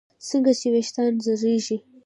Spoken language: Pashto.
څنګه چې ویښتان زړېږي